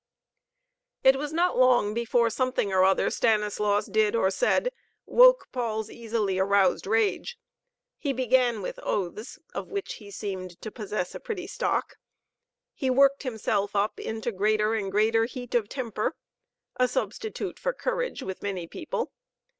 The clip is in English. It was not long before something or other Stanislaus did or said woke Paul's easily aroused rage. He began with oaths, of which he seemed to possess a pretty stock. He worked himself up into greater and greater heat of temper a substitute for courage with many people.